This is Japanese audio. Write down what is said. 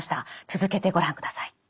続けてご覧ください。